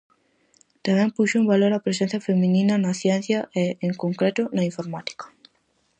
Tamén puxo en valor a presenza feminina na ciencia e, en concreto, na informática.